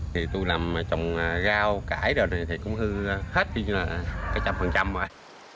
thì tôi làm trồng gao cải đồ này thì cũng hư hết như là cái trăm phần trăm rồi